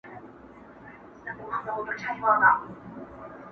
نوري یې مه پریږدی د چا لښکري،